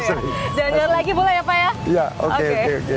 jangan jauh lagi boleh ya pak ya